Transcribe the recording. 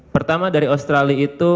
pertama dari australia itu